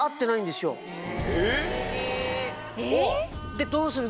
でどうする？